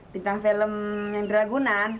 bintang film yang dragunan